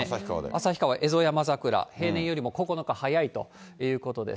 旭川、エゾヤマザクラ、平年よりも９日早いということです。